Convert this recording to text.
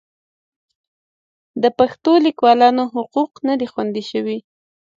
د پښتو لیکوالانو حقوق نه دي خوندي شوي.